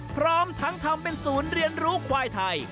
พร้อมทั้งทำเป็นศูนย์เรียนรู้ควายไทย